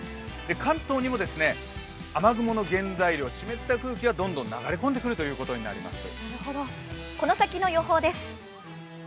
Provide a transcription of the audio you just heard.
関東にも雨雲の原材料、湿った空気がどんどん流れ込んでくることになります。